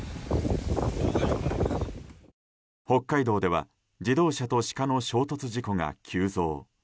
北海道では自動車とシカの衝突事故が急増。